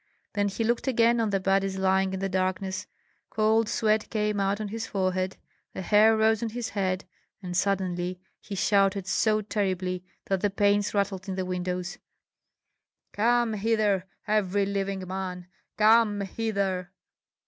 Then he looked again on the bodies lying in the darkness. Cold sweat came out on his forehead, the hair rose on his head, and suddenly he shouted so terribly that the panes rattled in the windows, "Come hither, every living man! come hither!"